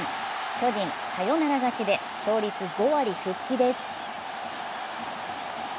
巨人、サヨナラ勝ちで勝率５割復帰です。